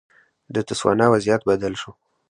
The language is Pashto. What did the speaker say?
د تسوانا وضعیت بدل شو.